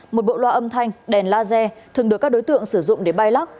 một bộ loa âm thanh đèn laser thường được các đối tượng sử dụng để bay lắc